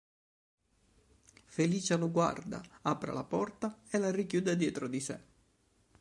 Felicia lo guarda, apre la porta e la richiude dietro di sé.